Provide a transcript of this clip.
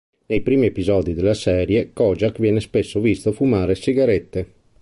Nei primi episodi della serie, Kojak viene spesso visto fumare sigarette.